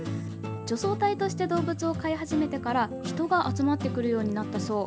除草隊として動物を飼い始めてから人が集まってくるようになったそう。